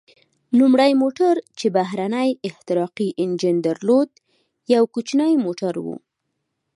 لومړی موټر چې بهرنی احتراقي انجن درلود، یو کوچنی موټر و.